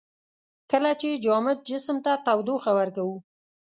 کله چې جامد جسم ته تودوخه ورکوو.